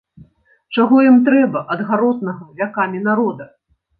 Чаго ім трэба ад гаротнага вякамі народа?